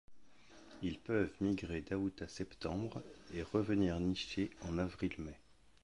Ils peuvent migrer d'août à septembre et revenir nicher en avril-mai.